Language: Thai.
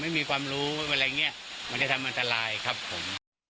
ไม่มีความรู้อะไรอย่างนี้มันจะทำอันตรายครับผม